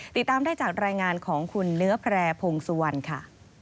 ติดตามได้จากรายงานของคุณเนื้อแพร่พงสุวรรณค่ะ